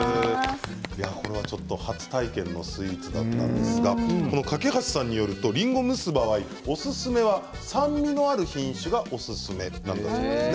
これはちょっと初体験のスイーツだったんですがこの梯さんによるとりんごを蒸す場合、おすすめは酸味のある品種がおすすめなんだそうです。